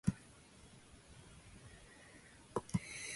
His ideas were later advanced by Viktor Suvorov.